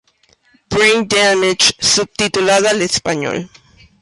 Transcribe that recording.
Brain Damage subtitulada al español